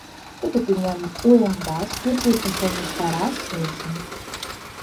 Тудо тӱням уэмдаш, пӱртӱсым сылнештараш шочын.